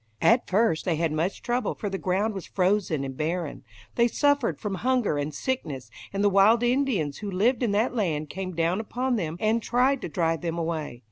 At first they had much trouble, for the ground was frozen and barren. They suffered from hunger and sickness, and the wild Indians who lived in that land came down upon them and tried to drive them away.